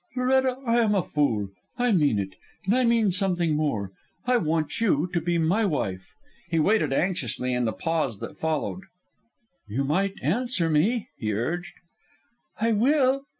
"Loretta, I am a fool. I mean it. And I mean something more. I want you to be my wife." He waited anxiously in the pause that followed. "You might answer me," he urged. "I will...